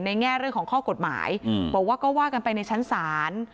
แง่เรื่องของข้อกฎหมายบอกว่าก็ว่ากันไปในชั้นศาล